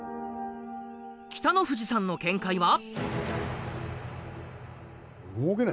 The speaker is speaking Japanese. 北の富士さんの見解は？